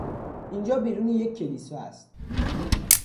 اینجا بیرون یک کلیسا است.